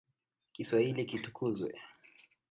Kiswahili kitukuzwe.